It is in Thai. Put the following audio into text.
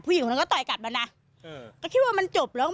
หญิงคนนั้นก็ต่อยกลับมานะเออก็คิดว่ามันจบแล้ว